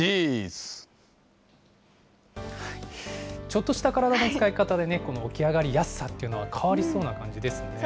ちょっとした体の使い方でね、起き上がりやすさっていうのは変そうですね。